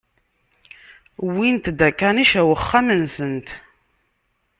Wwint-d akanic ar wexxam-nsent.